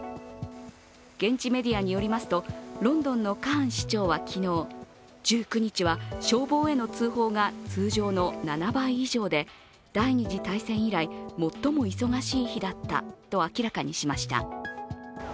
現地メディアによりますとロンドンのカーン市長は昨日、１９日は消防への通報が通常の７倍以上で第二次大戦以来、最も忙しい日だったと明らかにしました。